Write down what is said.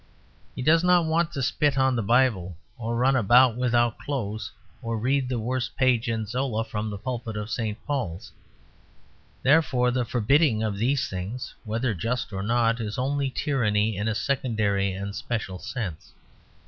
He does not want to spit on the Bible, or to run about without clothes, or to read the worst page in Zola from the pulpit of St. Paul's. Therefore the forbidding of these things (whether just or not) is only tyranny in a secondary and special sense.